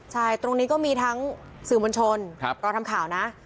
ใช่ตรงนี้ก็มีทั้งสื่อมวลชนรอทำข่าวนะ